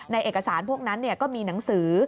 เอกสารพวกนั้นก็มีหนังสือ